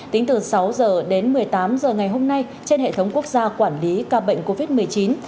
tính từ sáu giờ đến một mươi tám giờ ngày hôm nay trên hệ thống quốc gia quản lý ca bệnh của bệnh nhân